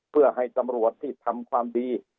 เพื่อให้ตำรวจที่ทำความดี